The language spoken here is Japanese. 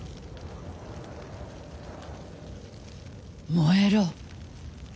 燃えろ。